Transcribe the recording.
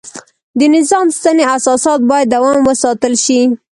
د نظام سنتي اساسات باید دوام وساتل شي.